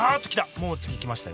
もう次来ましたよ